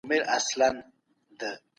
سلطنت په تېرو کلونو کيیو ارام چاپېریال درلود.